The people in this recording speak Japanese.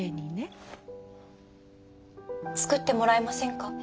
作ってもらえませんか？